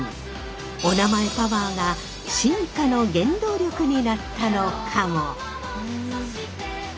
おなまえパワーが進化の原動力になったのかも？